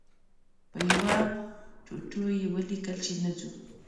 په یوه ټوټو یې ولیکل چې نه ځو.